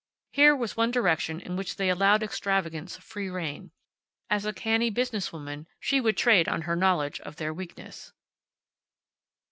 Here was one direction in which they allowed extravagance free rein. As a canny business woman, she would trade on her knowledge of their weakness.